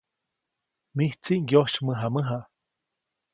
Mijtsi ŋyosymäjamäja.